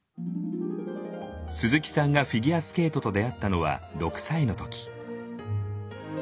鈴木さんがフィギュアスケートと出会ったのは６歳の時。